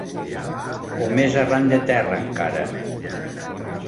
O més arran de terra encara.